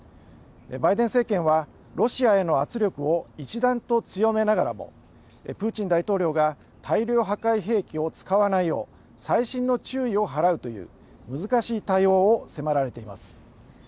バイデン政権はロシアへの圧力を一段と強めながらもプーチン大統領が大量破壊兵器を使わないよう細心の注意を払うという難しい対応を迫られています。